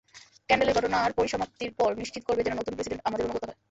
স্ক্যান্ডালের ঘটনার পরিসমাপ্তির পর নিশ্চিত করবে যেন নতুন প্রেসিডেন্ট আমাদের অনুগত হয়!